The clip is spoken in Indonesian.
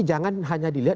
jangan hanya dilihat